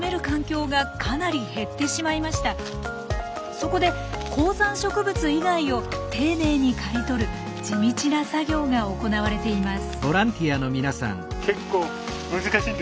そこで高山植物以外を丁寧に刈り取る地道な作業が行われています。